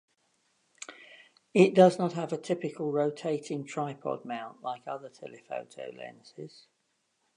It does not have a typical rotating tripod mount like other telephoto lenses.